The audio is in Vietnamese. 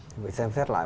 phải xem xét lại